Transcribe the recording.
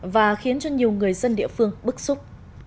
và khiến cho nhiều người dân địa phương bức xúc